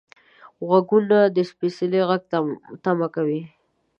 غوږونه د سپیڅلي غږ تمه کوي